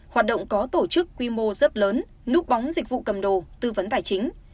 hoạt động có tổ chức quy mô rất lớn núp bóng dịch vụ cầm đồ tư vấn tài chính